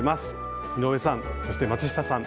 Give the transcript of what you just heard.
井上さんそして松下さん